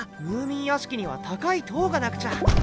ムーミン屋敷には高い塔がなくちゃ。